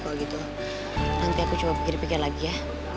kalau gitu nanti aku coba pikir pikir lagi ya